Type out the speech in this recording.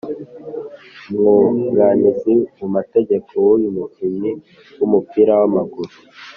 umwunganizi mu mategeko w’uyu mukinnyi w’umupira w’amaguru